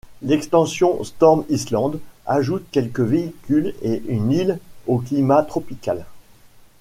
L'extension Storm Island ajoute quelques véhicules et une île au climat tropical.